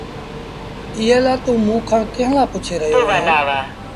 ايٚئي لآ توٚنٚ موٚنٚ کآݩ ڪݩهݩ لآ پُڇي رهيو اهينٚ؟